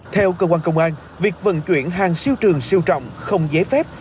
theo cơ quan công an việc vận chuyển hàng siêu trường siêu trọng không giấy phép